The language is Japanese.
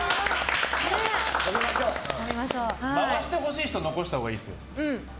回してほしい人も残したほうがいいですよ。